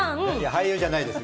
俳優じゃないです。